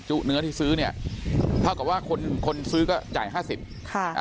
จุเนื้อที่ซื้อเท่ากับว่าคนซื้อก็จ่าย๕๐บาท